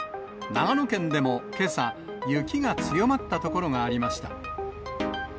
長野県でも、けさ、雪が強まった所がありました。